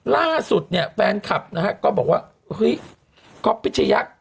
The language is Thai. ล่าสุดเนี้ยแฟนคลับนะฮะก็บอกว่าหุ้ย